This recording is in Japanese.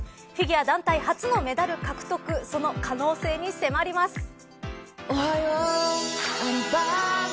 フィギュア団体初のメダル獲得その可能性に迫ります。